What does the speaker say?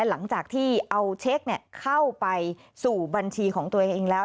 หลังจากที่เอาเช็คเข้าไปสู่บัญชีของตัวเองแล้ว